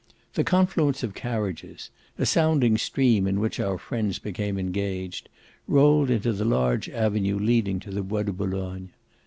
The confluence of carriages a sounding stream in which our friends became engaged rolled into the large avenue leading to the Bois de Boulogne.